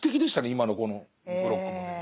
今のこのブロックもね。